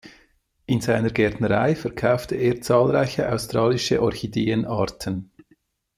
In seiner Gärtnerei verkaufte er zahlreiche australische Orchideenarten.